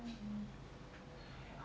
ini sih pak